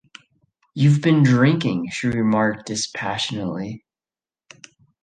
"You've been drinking," she remarked dispassionately.